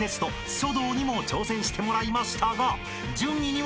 書道にも挑戦してもらいましたが］